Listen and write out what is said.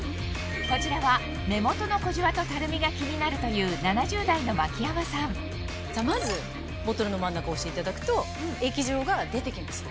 こちらは目元の小じわとたるみが気になるというまずボトルの真ん中を押していただくと液状が出てきます。